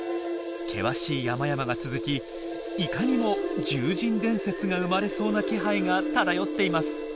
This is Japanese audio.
険しい山々が続きいかにも獣人伝説が生まれそうな気配が漂っています。